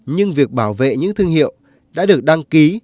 nhưng việc bảo vệ những thương hiệu đã được đăng ký